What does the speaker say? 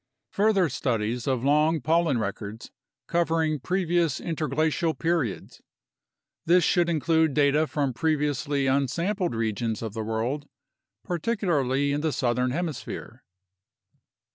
Further studies of long pollen records covering previous interglacial periods. This should include data from previously unsampled regions of the world, particularly in the southern hemisphere.